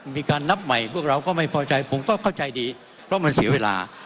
มีการนับใหม่พวกเราก็ไม่พอใจผมก็เข้าใจดีเพราะมันเสียเวลา